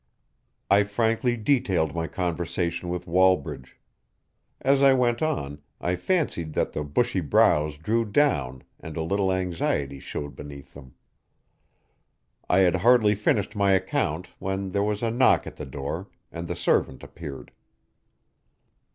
I frankly detailed my conversation with Wallbridge. As I went on, I fancied that the bushy brows drew down and a little anxiety showed beneath them. I had hardly finished my account when there was a knock at the door, and the servant appeared.